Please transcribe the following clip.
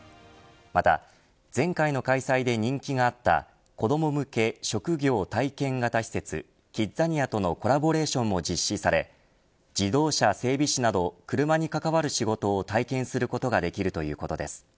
また前回の開催で人気があった子ども向け職業体験型施設キッザニアとのコラボレーションも実施され自動車整備士など車に関わる仕事を体験することができるということです。